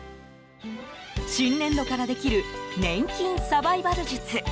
新年度からできる年金サバイバル術。